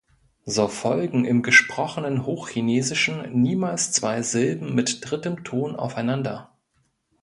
So folgen im gesprochenen Hochchinesischen niemals zwei Silben mit drittem Ton aufeinander.